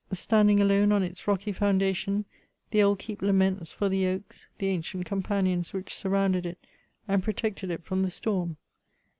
Standing alone on its rocky foundation, the old keep laments for the oaks, the ancient companions which surrounded it and pro tected it from the storm.